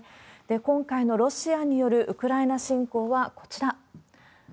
今回のロシアによるウクライナ侵攻はこちら。